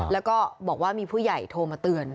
แล้วก็บอกว่ามีผู้ใหญ่โทรมาเตือน